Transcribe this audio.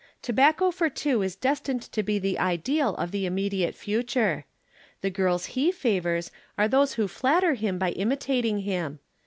Tobacco for two is destined to be the ideal of the immediate future. The girls he favors are those who flatter him by imitating him.